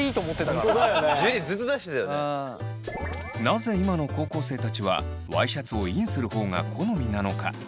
なぜ今の高校生たちはワイシャツをインする方が好みなのか。